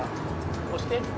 押して。